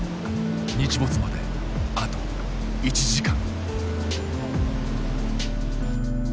日没まであと１時間。